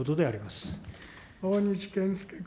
大西健介君。